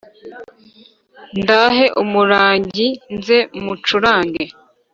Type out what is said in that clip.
ndahe umurangi nze mucurange